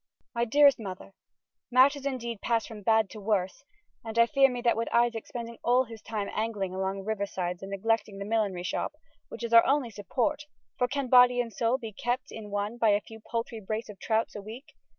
My Dearest Mother: Matters indeed pass from badd to worse, and I fear mee that with Izaak spending all hys tyme angling along riversydes and neglecting the millinery shoppe (wych is our onlie supporte, for can bodye and soule be keppt in one by a few paltrie brace of trouts a weeke?)